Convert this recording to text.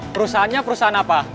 perusahaannya perusahaan apa